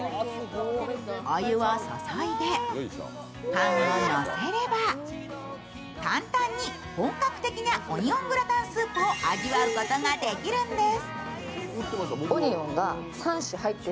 お湯を注いで、パンをのせれば簡単に本格的なオニオングラタンスープを味わうことができるんです。